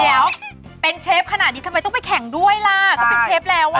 เดี๋ยวเป็นเชฟขนาดนี้ทำไมต้องไปแข่งด้วยล่ะก็เป็นเชฟแล้วอ่ะ